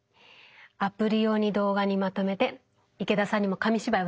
アプリ用に動画にまとめて池田さんにも紙芝居を作っていただきました。